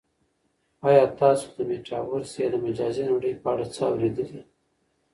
آیا تاسو د میټاورس یا د مجازی نړۍ په اړه څه اورېدلي؟